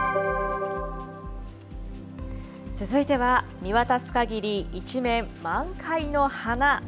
続いては見渡すかぎり、一面、満開の花。